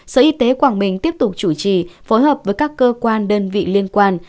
sở y tế quảng bình tiếp tục chủ trì phối hợp với các cơ quan đơn vị liên quan